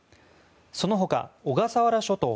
その他、小笠原諸島